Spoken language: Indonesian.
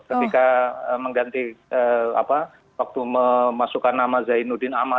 ketika mengganti waktu memasukkan nama zainuddin amal